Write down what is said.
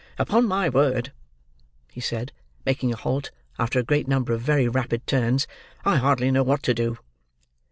"Upon my word," he said, making a halt, after a great number of very rapid turns, "I hardly know what to do."